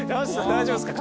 大丈夫ですか？